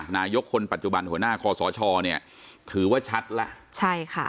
นายกคนปัจจุบันหัวหน้าคอสชเนี่ยถือว่าชัดแล้วใช่ค่ะ